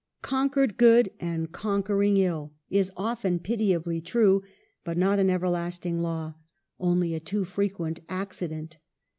"Conquered good, and conquering ill" 272 EMILY BRONTE. is often pitiably true ; but not an everlasting law, only a too frequent accident.